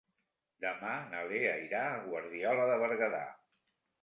Demà na Lea irà a Guardiola de Berguedà.